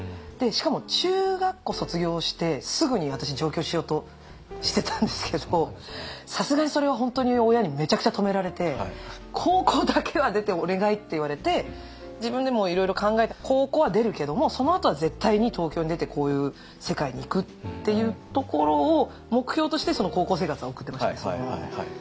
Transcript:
しかも中学校卒業してすぐに私上京しようとしてたんですけどさすがにそれは本当に親にめちゃくちゃ止められて「高校だけは出てお願い」って言われて自分でもいろいろ考えて高校は出るけどもそのあとは絶対に東京に出てこういう世界に行くっていうところを目標として高校生活は送ってましたね。